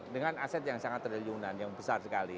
dengan aset yang sangat triliunan yang besar sekali